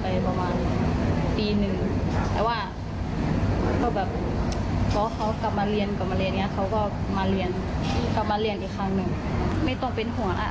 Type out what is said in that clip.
ค่ะกลับมาเรียนอีกครั้งนึงไม่ต้องเป็นหวังอ่ะ